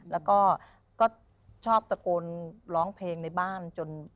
แล้วก็ชอบตะโกนร้องเพลงในบ้านจน